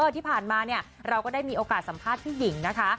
ที่ผ่านมาเนี่ยเราก็ได้มีโอกาสสัมภาษณ์พี่หญิงนะคะ